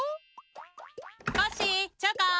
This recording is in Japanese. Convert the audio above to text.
コッシーチョコン！